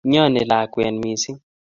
Imnyonii lakwet mising